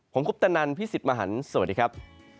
ผมคุปตะนันพี่สิทธิ์มหันฯสวัสดีครับ